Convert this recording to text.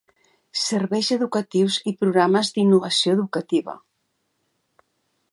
Serveis educatius i programes d'innovació educativa.